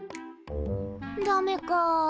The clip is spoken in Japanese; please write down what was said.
ダメか。